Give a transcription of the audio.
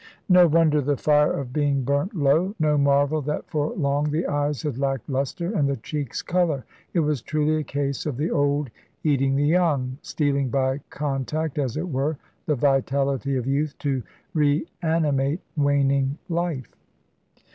No wonder the fire of being burnt low; no marvel that for long the eyes had lacked lustre and the cheeks colour. It was truly a case of the old eating the young stealing by contact, as it were, the vitality of youth to reanimate waning life.